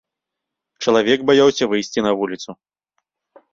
Чалавек баяўся выйсці на вуліцу.